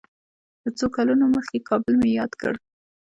د څو کلونو مخکې کابل مې یاد کړ.